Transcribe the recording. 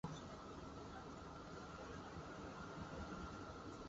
Él fue ganado por el Shirak, quien obtuvo su quinto título.